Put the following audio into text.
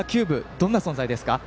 どんな存在ですか？